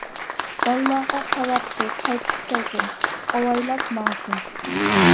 بالىلارغا خەۋەر قىل، قايتىپ كەلسۇن، ئاۋايلاپ ماڭسۇن.